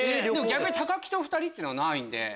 逆に木と２人っていうのはないんで。